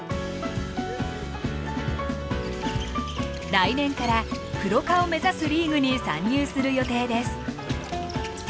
来年からプロ化を目指すリーグに参入する予定です。